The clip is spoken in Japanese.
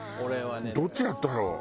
どっちだったろう？